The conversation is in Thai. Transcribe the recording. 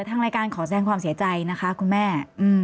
ทางรายการขอแสงความเสียใจนะคะคุณแม่